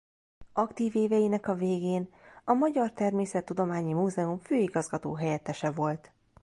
Aktív éveinek a végén a Magyar Természettudományi Múzeum főigazgató-helyettese volt.